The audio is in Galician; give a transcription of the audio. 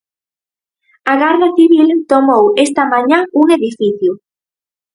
A Garda Civil tomou esta mañá un edificio.